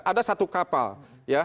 ada satu kapal ya